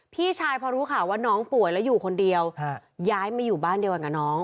พี่ชายพอรู้ข่าวว่าน้องป่วยแล้วอยู่คนเดียวย้ายมาอยู่บ้านเดียวกันกับน้อง